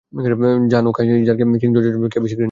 জানো কাইযারকে কিং জর্জের চেয়েও কে বেশি ঘৃণা করে?